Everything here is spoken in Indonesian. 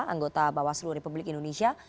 anggota bawaslu republik indonesia